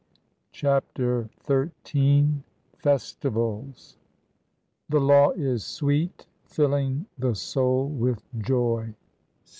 CHAPTER XIII FESTIVALS 'The law is sweet, filling the soul with joy.'